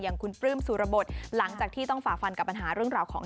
คุณปลื้มสุรบทหลังจากที่ต้องฝ่าฟันกับปัญหาเรื่องราวของ